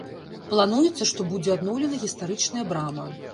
Плануецца, што будзе адноўлена гістарычная брама.